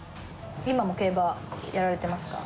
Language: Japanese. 今も競馬やられてますか？